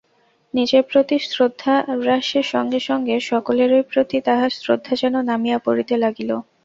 নিজের প্রতি শ্রদ্ধাহ্রাসের সঙ্গে সঙ্গে সকলেরই প্রতি তাহার শ্রদ্ধা যেন নামিয়া পড়িতে লাগিল।